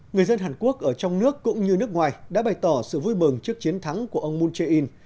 người dân hàn quốc ở trong nước cũng như nước ngoài đã bày tỏ sự vui mừng trước chiến thắng của ông moon jae in